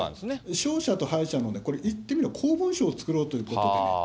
勝者と敗者のいってみれば公文書を作ろうということでね。